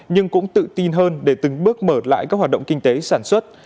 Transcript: nhưng cũng tự tin hơn để từng bước mở lại các hoạt động kinh tế sản xuất